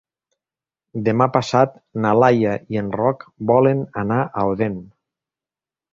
Demà passat na Laia i en Roc volen anar a Odèn.